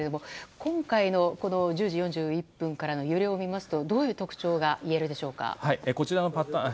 今回のこの１０時４１分からの揺れを見ますとどういう特徴が言えるでしょうか。